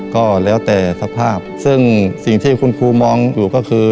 ก็แล้วแต่สภาพซึ่งสิ่งที่คุณครูมองอยู่ก็คือ